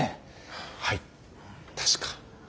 はい確か。